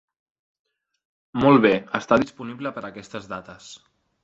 Molt bé, està disponible per aquestes dates.